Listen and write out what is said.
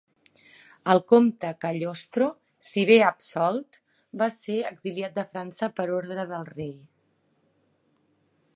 El Comte Cagliostro, si bé absolt, va ser exiliat de França per ordre del Rei.